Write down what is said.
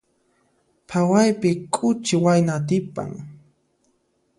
Phawaypi k'uchi wayna atipan.